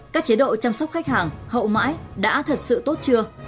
các chế độ chăm sóc khách hàng hậu mãi đã thật sự tốt chưa